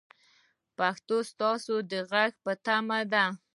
پښتو ستاسو د غږ په تمه ده.